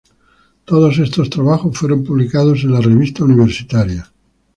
Todos estos trabajos fueron publicados en la "Revista Universitaria".